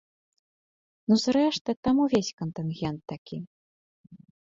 Ну, зрэшты, там увесь кантынгент такі.